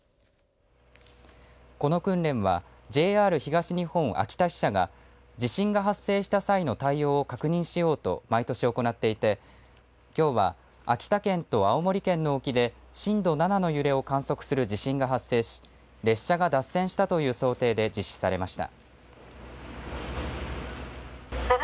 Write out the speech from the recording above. この訓練はＪＲ東日本秋田支社が地震が発生した際の対応を確認しようと毎年行っていてきょうは、秋田県と青森県の沖で震度７の揺れを観測する地震が発生し列車が脱線したという想定で実施されました。